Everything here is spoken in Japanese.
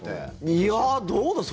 いや、どうだろう？